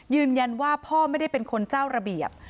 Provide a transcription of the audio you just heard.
ยืนยันว่าพ่อไม่ได้เป็นคนเจ้าระเบียบ